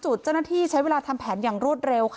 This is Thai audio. จุดเจ้าหน้าที่ใช้เวลาทำแผนอย่างรวดเร็วค่ะ